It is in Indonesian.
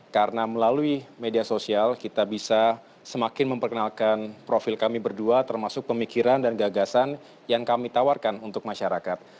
karena melalui media sosial kita bisa semakin memperkenalkan profil kami berdua termasuk pemikiran dan gagasan yang kami tawarkan untuk masyarakat